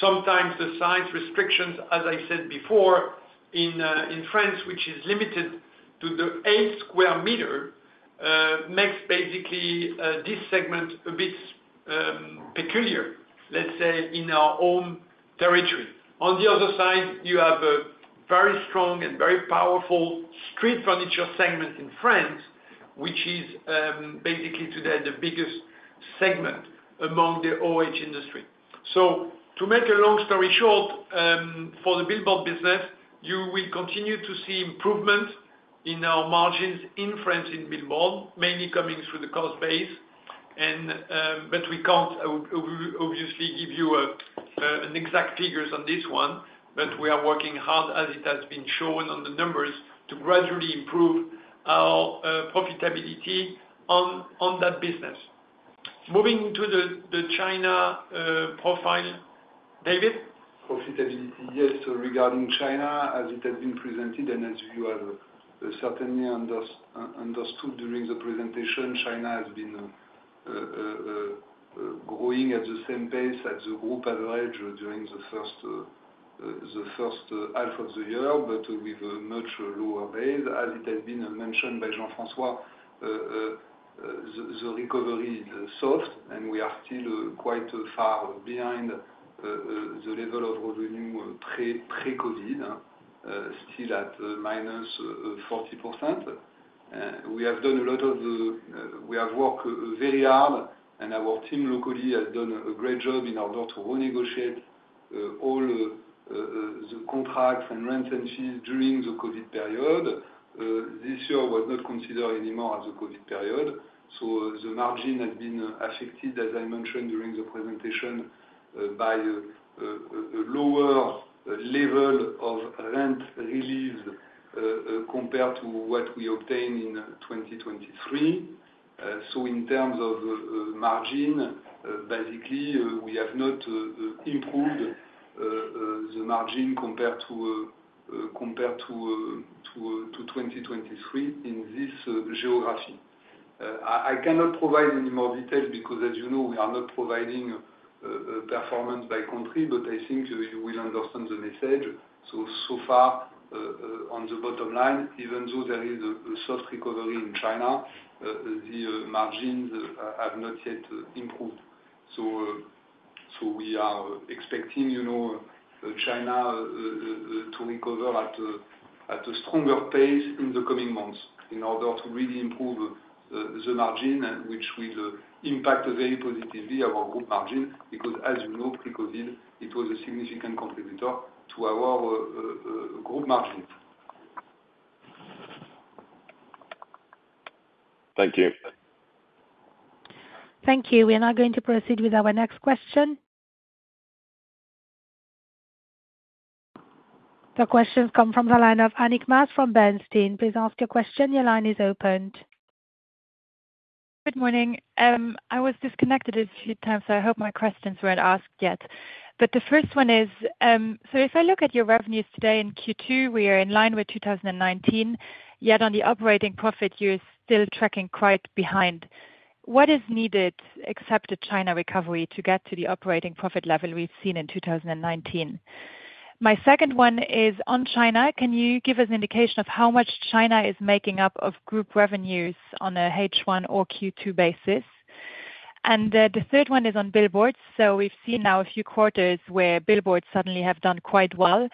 S2: sometimes the size restrictions, as I said before, in France, which is limited to the 8 sq m makes basically this segment a bit peculiar, let's say, in our own territory. On the other side, you have a very strong and very powerful street furniture segment in France, which is basically today the biggest segment among the OOH industry. So to make a long story short, for the billboard business, you will continue to see improvement in our margins in France, in billboard, mainly coming through the cost base and, but we can't obviously give you an exact figures on this one, but we are working hard, as it has been shown on the numbers, to gradually improve our profitability on that business. Moving to the China profile. David?
S3: Profitability, yes. So regarding China, as it has been presented and as you have certainly understood during the presentation, China has been growing at the same pace as the group average during the first half of the year, but with a much lower base. As it has been mentioned by Jean-François, the recovery is soft, and we are still quite far behind the level of revenue pre-COVID, still at -40%. We have done a lot of... We have worked very hard, and our team locally has done a great job in order to renegotiate all the contracts and rent and fees during the COVID period. This year was not considered anymore as a COVID period, so the margin has been affected, as I mentioned during the presentation, by a lower level of rent release compared to what we obtained in 2023. So in terms of margin, basically, we have not improved the margin compared to 2023 in this geography. I cannot provide any more detail because, as you know, we are not providing performance by country, but I think you will understand the message. So far, on the bottom line, even though there is a soft recovery in China, the margins have not yet improved. So, we are expecting, you know, China to recover at a stronger pace in the coming months in order to really improve the margin, and which will impact very positively our group margin, because, as you know, pre-COVID, it was a significant contributor to our group margin.
S7: Thank you.
S1: Thank you. We are now going to proceed with our next question.T he questions come from the line of Annick Maas from Bernstein. Please ask your question. Your line is opened.
S8: Good morning. I was disconnected a few times, so I hope my questions weren't asked yet. But the first one is, so if I look at your revenues today in Q2, we are in line with 2019, yet on the operating profit, you're still tracking quite behind. What is needed, except a China recovery, to get to the operating profit level we've seen in 2019? My second one is on China. Can you give us an indication of how much China is making up of group revenues on a H1 or Q2 basis? And, the third one is on billboards. So we've seen now a few quarters where billboards suddenly have done quite well.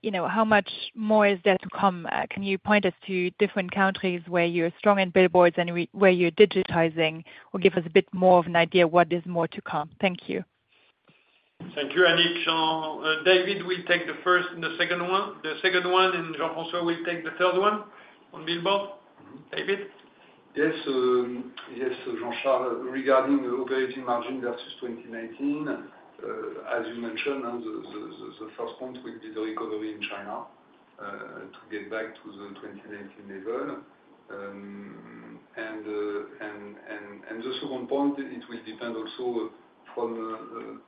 S8: You know, how much more is there to come? Can you point us to different countries where you're strong in billboards and where you're digitizing, or give us a bit more of an idea what is more to come? Thank you.
S2: Thank you, Annick. Jean, David will take the first and the second one. The second one, and Jean-François will take the third one on billboard. David?
S3: Yes, yes, so Jean-Charles, regarding the operating margin versus 2019, as you mentioned, on the first point will be the recovery in China, to get back to the 2019 level. And the second point, it will depend also from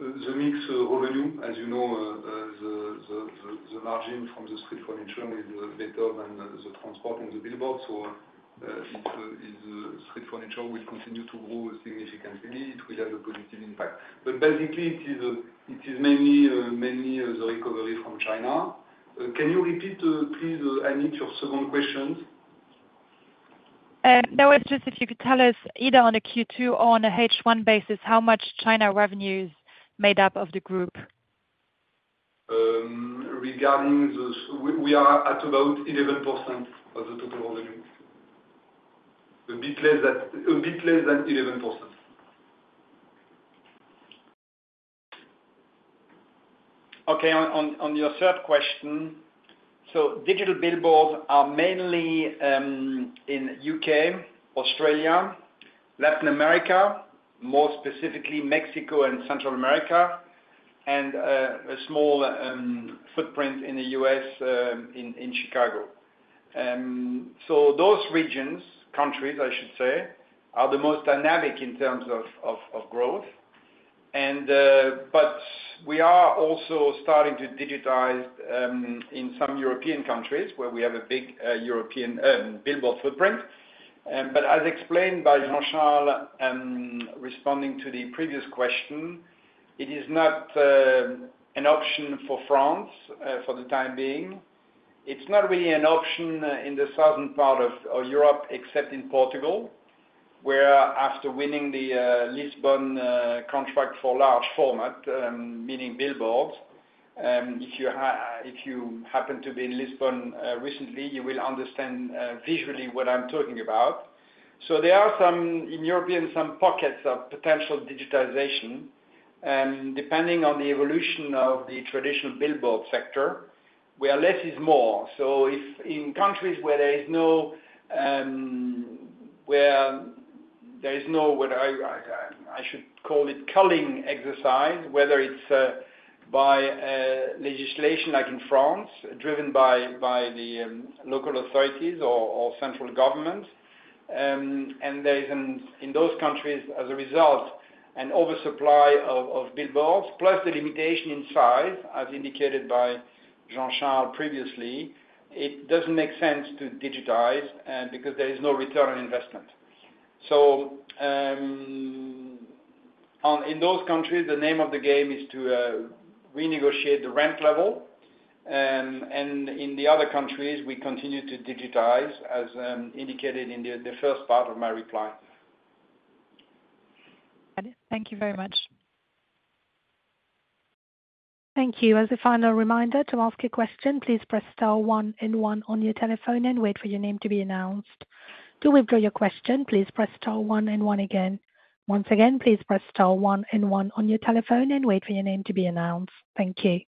S3: the mix of revenue. As you know, the margin from the street furniture is better than the Transport and the billboard. So, street furniture will continue to grow significantly. It will have a positive impact. But basically, it is mainly as a recovery from China. Can you repeat, please, Annick, your second question?
S8: That was just if you could tell us either on a Q2 or on a H1 basis, how much China revenue is made up of the group?
S3: Regarding those, we are at about 11% of the total revenue. A bit less than 11%.
S4: Okay, on your third question, so digital billboards are mainly in U.K., Australia, Latin America, more specifically Mexico and Central America, and a small footprint in the U.S., in Chicago. So those regions, countries, I should say, are the most dynamic in terms of growth. But we are also starting to digitize in some European countries where we have a big European billboard footprint. But as explained by Jean-Charles, responding to the previous question, it is not an option for France for the time being. It's not really an option in the southern part of Europe, except in Portugal, where after winning the Lisbon contract for large format, meaning billboards, if you happen to be in Lisbon recently, you will understand visually what I'm talking about. So there are some in Europe, some pockets of potential digitization, depending on the evolution of the traditional billboard sector, where less is more. So if in countries where there is no, where there is no, what I should call it, culling exercise, whether it's by legislation like in France, driven by the local authorities or central government, and there is in those countries, as a result, an oversupply of billboards, plus the limitation in size, as indicated by Jean-Charles previously, it doesn't make sense to digitize because there is no return on investment. So, in those countries, the name of the game is to renegotiate the rent level. And in the other countries, we continue to digitize, as indicated in the first part of my reply.
S8: Thank you very much.
S1: Thank you. As a final reminder to ask a question, please press star one and one on your telephone and wait for your name to be announced. To withdraw your question, please press star one and one again. Once again, please press star one and one on your telephone and wait for your name to be announced. Thank you.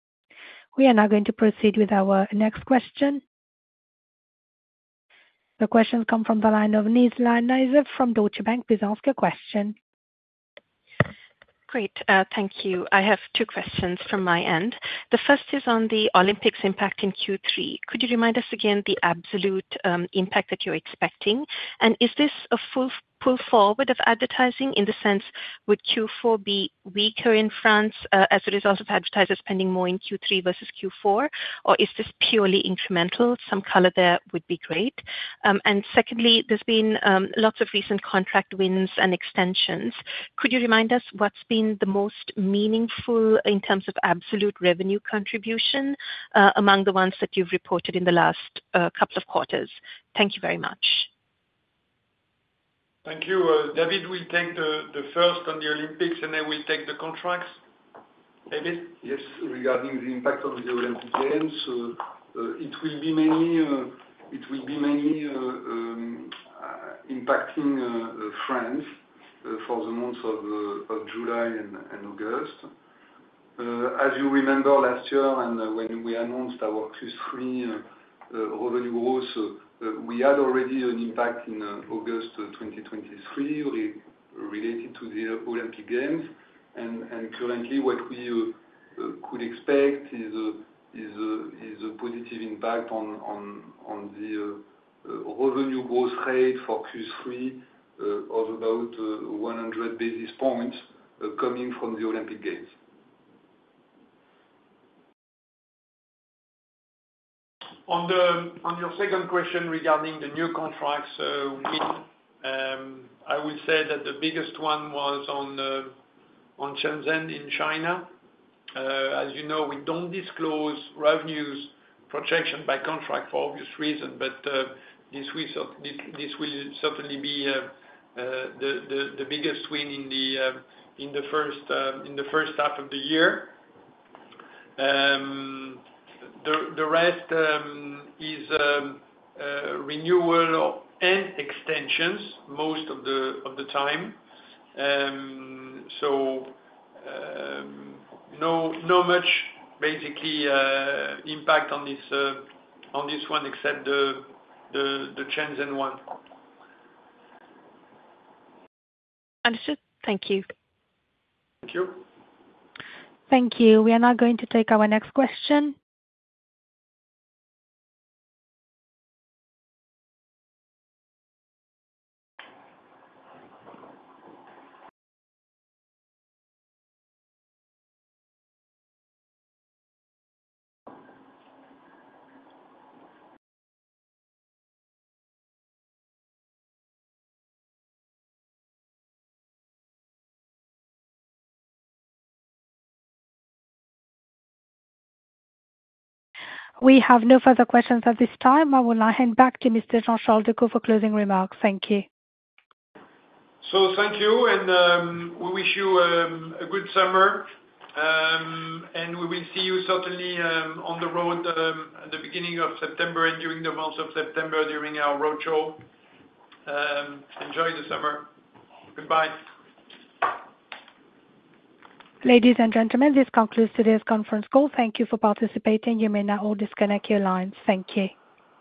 S1: We are now going to proceed with our next question. The question come from the line of Nizla Naizer from Deutsche Bank. Please ask your question.
S9: Great, thank you. I have two questions from my end. The first is on the Olympics impact in Q3. Could you remind us again the absolute impact that you're expecting? And is this a full pull forward of advertising, in the sense, would Q4 be weaker in France as a result of advertisers spending more in Q3 versus Q4? Or is this purely incremental? Some color there would be great. And secondly, there's been lots of recent contract wins and extensions. Could you remind us what's been the most meaningful in terms of absolute revenue contribution among the ones that you've reported in the last couple of quarters? Thank you very much.
S2: Thank you. David will take the first on the Olympics, and then we'll take the contracts. David?
S3: Yes, regarding the impact of the Olympic Games, it will be mainly, it will be mainly, impacting France, for the months of July and August. As you remember last year, and when we announced our Q3, Revenue growth, we had already an impact in August 2023 related to the Olympic Games. And currently, what we could expect is a positive impact on the revenue growth rate for Q3 of about 100 basis points coming from the Olympic Games.
S2: On your second question regarding the new contracts, we, I will say that the biggest one was on Shenzhen in China. As you know, we don't disclose revenues projection by contract for obvious reason, but this will certainly be the biggest win in the first half of the year. The rest is renewal and extensions most of the time. So, no, not much, basically, impact on this one, except the Shenzhen one.
S9: Understood. Thank you.
S2: Thank you.
S1: Thank you. We are now going to take our next question. We have no further questions at this time. I will now hand back to Mr. Jean-Charles Decaux for closing remarks. Thank you.
S2: So thank you, and we wish you a good summer. We will see you certainly on the road at the beginning of September and during the month of September, during our roadshow. Enjoy the summer. Goodbye.
S1: Ladies and gentlemen, this concludes today's conference call. Thank you for participating. You may now all disconnect your lines. Thank you.